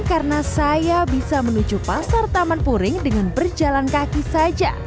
karena saya bisa menuju pasar taman puring dengan berjalan kaki saja